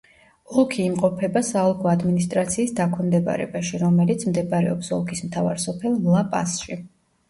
ოლქი იმყოფება საოლქო ადმინისტრაციის დაქვემდებარებაში, რომელიც მდებარეობს ოლქის მთავარ სოფელ ლა-პასში.